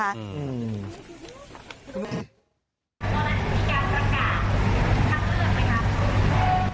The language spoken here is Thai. ขอบคุณผู้ชมครับกรรมการทำเลือกไหมครับ